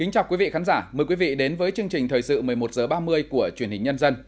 chào mừng quý vị đến với chương trình thời sự một mươi một h ba mươi của truyền hình nhân dân